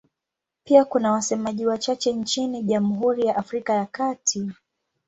Pia kuna wasemaji wachache nchini Jamhuri ya Afrika ya Kati.